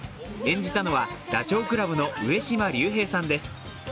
演じたのはダチョウ倶楽部の上島竜兵さんです。